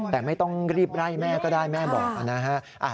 แต่ไม่ต้องรีบไล่แม่ก็ได้แม่บอกนะฮะ